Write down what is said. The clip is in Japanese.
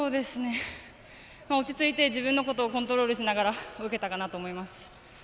落ち着いて自分のことをコントロールしながら泳げたかなと思います。